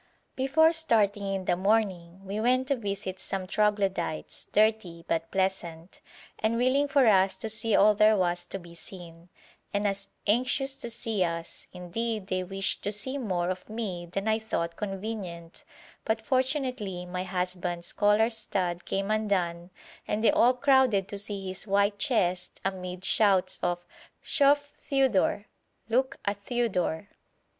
Before starting in the morning we went to visit some troglodytes, dirty, but pleasant, and willing for us to see all there was to be seen, and as anxious to see us; indeed, they wished to see more of me than I thought convenient, but fortunately my husband's collar stud came undone and they all crowded to see his white chest amid shouts of 'Shouf Theodore!' (Look at Theodore).